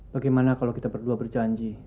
bagaimana kalau kita berdua berjanji